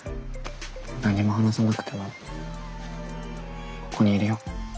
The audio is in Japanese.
何も話さなくてもここにいるよ。